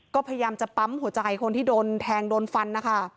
ก็พยายามจะปั๊มหัวใจคนที่โดนแทงโดนฟันนะคะ